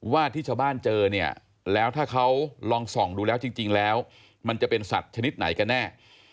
ว่าที่ชาวบ้านเจอเนี่ยแล้วถ้าเขาลองส่องดูแล้วจริงแล้วมันจะเป็นสัตว์ชนิดไหนกันแน่